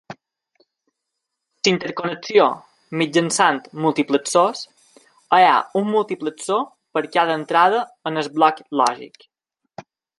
A la interconnexió mitjançant multiplexors, hi ha un multiplexor per cada entrada al bloc lògic.